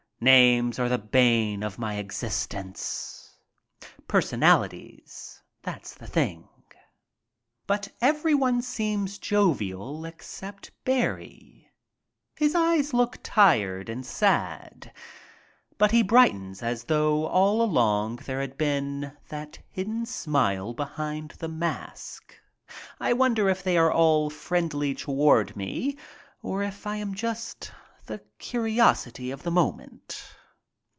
Names are the bane of my existence. Per sonalities, that's the thing. But everyone seems jovial except Barrie. His eyes look sad and tired. But he brightens as though all along there had been that hidden smile behind the mask. I wonder if they are all friendly toward me, or if I am just the curiosity of the moment.